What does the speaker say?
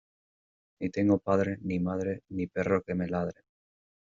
Ni tengo padre, ni madre, ni perro que me ladre.